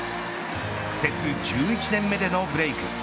苦節１１年目でのブレーク。